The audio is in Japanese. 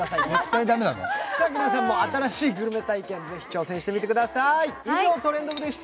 皆さんも新しいグルメ体験に挑戦してみてください。